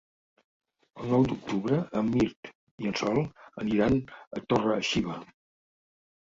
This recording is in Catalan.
El nou d'octubre en Mirt i en Sol aniran a Torre-xiva.